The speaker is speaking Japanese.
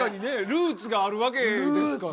ルーツがあるわけですから。